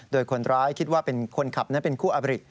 โดยคนร้ายคิดว่าเป็นคนขับนั้นเป็นคู่อบริ